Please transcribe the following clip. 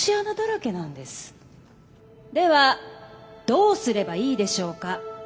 ではどうすればいいでしょうか？